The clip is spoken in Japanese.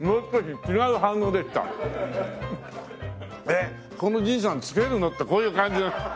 「えっこのじいさんつけるの？」ってこういう感じだった。